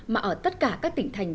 mà ở tất cả các tỉnh thành